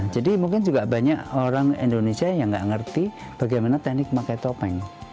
jadi mungkin juga banyak orang indonesia yang tidak mengerti bagaimana teknik memakai topeng